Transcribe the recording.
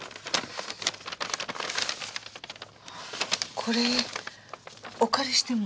これお借りしても。